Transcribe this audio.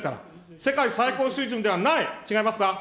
世界最高水準ではない、違いますか。